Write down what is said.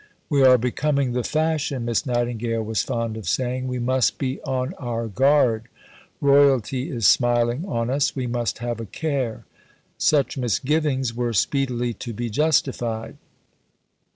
"We are becoming the fashion," Miss Nightingale was fond of saying; "we must be on our guard. Royalty is smiling on us; we must have a care." Such misgivings were speedily to be justified.